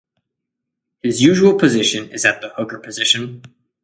His usual position is at the Hooker position.